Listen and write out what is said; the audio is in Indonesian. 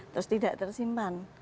terus tidak tersimpan